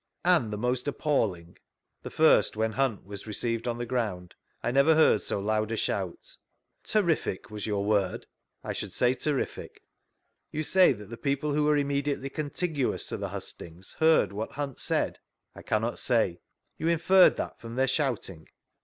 And the most appalling ?— The first, when Hunt was received on the ground; I never heard so loud a shout. ^ Terrific," was your word ?— I should say terrific. You say that the peojrfe who were immediately contiguous to the hustings beard what Hunt said ? —I caxmot say. You inferred that from their shouting